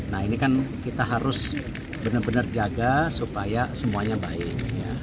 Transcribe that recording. nah ini kan kita harus benar benar jaga supaya semuanya baik